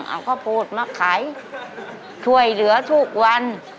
เอาข้าวโพดมาขายช่วยเหลือทุกวัน